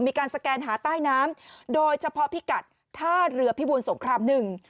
มีการสแกนหาใต้น้ำโดยเฉพาะพิกัดท่าเรือพิบูรสงครามหนึ่ง